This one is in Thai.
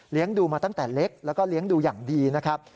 ดูมาตั้งแต่เล็กแล้วก็เลี้ยงดูอย่างดีนะครับ